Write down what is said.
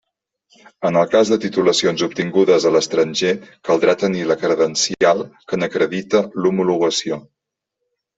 En el cas de titulacions obtingudes a l'estranger, caldrà tenir la credencial que n'acredite l'homologació.